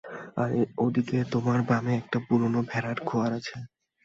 আর, ওদিক, তোমার বামে, একটা পুরানো ভেড়ার খোঁয়াড় আছে।